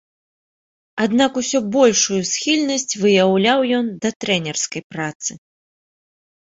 Аднак усё большую схільнасць выяўляў ён да трэнерскай працы.